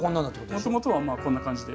もともとはまあこんな感じで。